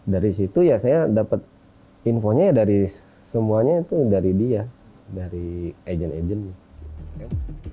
dari situ ya saya dapat infonya ya dari semuanya itu dari dia dari agent agentnya